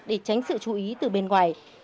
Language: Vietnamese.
phí từ bên ngoài